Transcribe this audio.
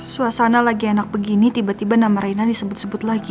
suasana lagi enak begini tiba tiba nama raina disebut sebut lagi